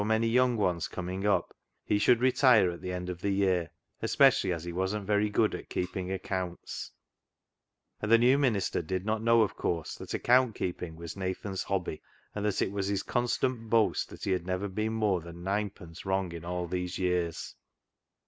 my yoiiii}; oiios COinillj>^ up he ^>hl)ullI retire at (ho eiul of the your, especially as he wasn't very ^ood at keepiiij^ ;iecounts ami the new minister did iu)t know, of conrse, that aeeount keeping was Nathan's Iiol)I)\ , and that it was his constant boast tliat he IkuI never been more than nine penee wrong in all these years.